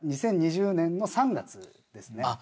２０２０年の３月ですね。